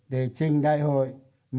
để trình đại hội